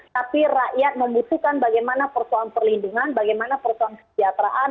tapi rakyat membutuhkan bagaimana persoalan perlindungan bagaimana persoalan kesejahteraan